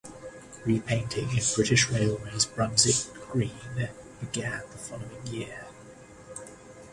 Repainting in British Railways Brunswick green began the following year.